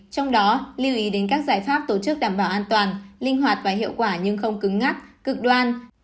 trong đó lưu ý đến các giải pháp tổ chức đảm bảo an toàn linh hoạt và hiệu quả nhưng không cứng ngắt cực đoan